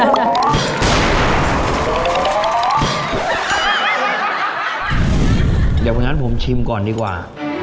เดี๋ยววันนั้นผมชิมก่อนดีกว่า